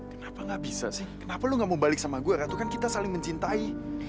kenapa gak bisa sih kenapa lu gak mau balik sama gue kan itu kan kita saling mencintai